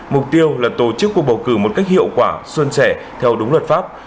mục tiêu là tổ chức cuộc bầu cử một cách hiệu quả xuân sẻ theo đúng luật pháp